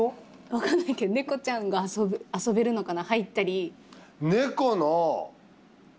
分かんないけど猫ちゃんが遊べるのかな入ったり。